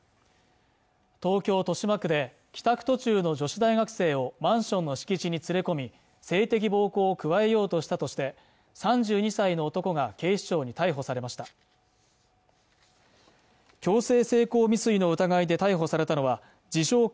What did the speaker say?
東京・豊島区で帰宅途中の女子大学生をマンションの敷地に連れ込み性的暴行を加えようとしたとして３２歳の男が警視庁に逮捕されました強制性交未遂の疑いで逮捕されたのは自称